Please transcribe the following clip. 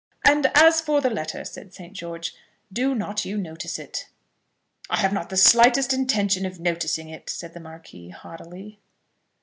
"And as for the letter," said St. George, "do not you notice it." "I have not the slightest intention of noticing it," said the Marquis, haughtily.